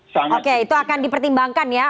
oke itu akan dipertimbangkan ya